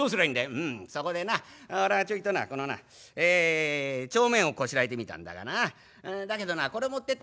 「うんそこでな俺はちょいとなこのなえ帳面をこしらえてみたんだがなだけどなこれ持ってったって駄目だ。